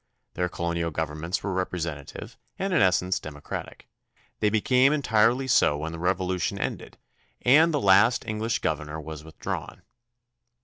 Their colonial governments were representative and in essence democratic. They became entirely so when the Revolution ended and 52 THE CONSTITUTION AND ITS MAKERS the last English governor was withdrawn.